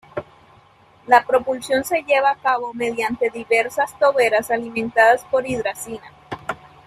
La propulsión se llevaba a cabo mediante diversas toberas alimentadas por hidracina.